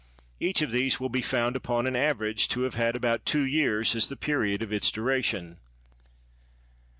Each of these will be found, upon an average, to have had about two years as the period of its duration.